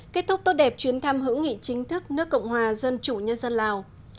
kết thúc tốt đẹp chuyến thăm hữu nghị chính thức nước cộng hòa dân chủ nhân dân lào